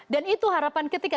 dan itu harapan ketika